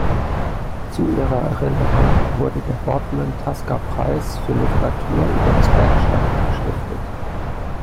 Zu ihrer Erinnerung wurde der Boardman-Tasker-Preis für Literatur über das Bergsteigen gestiftet.